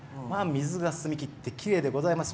水が澄み切ってきれいでございます。